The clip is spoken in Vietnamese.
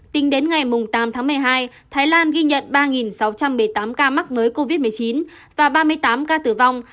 tính đến ngày tám tháng một mươi hai thái lan ghi nhận ba sáu trăm một mươi tám ca mắc mới covid một mươi chín và ba mươi tám ca tử vong